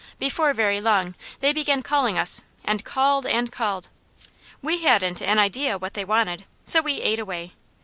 Before very long, they began calling us, and called, and called. We hadn't an idea what they wanted, so we ate away.